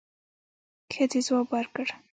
ښځې ځواب ورکړ.